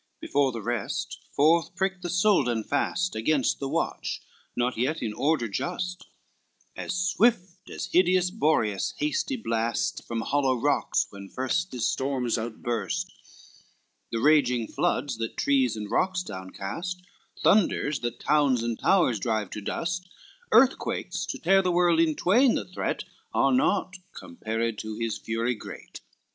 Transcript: XXII Before the rest forth pricked the Soldan fast, Against the watch, not yet in order just, As swift as hideous Boreas' hasty blast From hollow rocks when first his storms outburst, The raging floods, that trees and rocks down cast, Thunders, that towns and towers drive to dust: Earthquakes, to tear the world in twain that threat, Are naught, compared to his fury great.